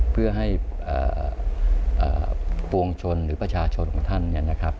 เพื่อให้ปวงชนหรือประชาชนของท่านเนี่ยนะครับ